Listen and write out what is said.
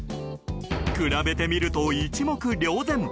比べてみると一目瞭然。